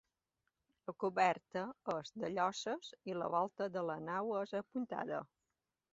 La coberta és de lloses i la volta de la nau és apuntada.